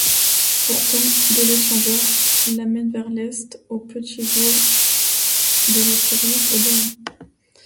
Partant de l'échangeur, la mène vers l'est au petit bourg de La Ferrière-au-Doyen.